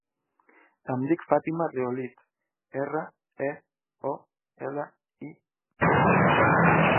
Em dic Fàtima Reolid: erra, e, o, ela, i, de.